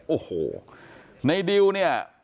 โอ้โหในดิวเนี่ย